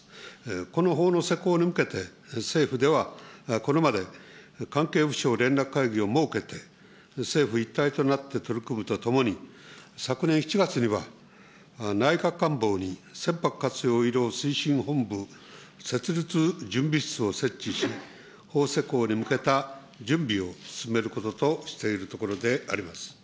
この法の施行に向けて、政府ではこれまで関係府省連絡会議を設けて、政府一体となって取り組むとともに、昨年７月には内閣官房に船舶活用医療推進本部設立準備室を設置し、法施行に向けた準備を進めることとしているところであります。